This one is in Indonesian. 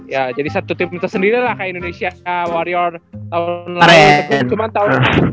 ya jadi satu tim tersendiri lah kayak indonesia warrior online